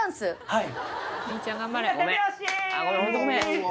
はい。